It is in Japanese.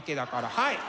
はい。